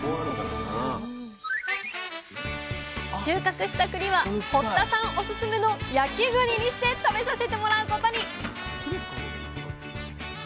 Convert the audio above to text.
収穫したくりは堀田さんオススメの焼きぐりにして食べさせてもらうことに！